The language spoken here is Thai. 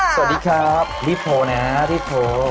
สวัสดีครับพี่โพนะพี่โพ